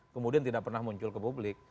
kemudian tidak pernah muncul ke publik